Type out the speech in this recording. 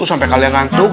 sampai kalian ngantuk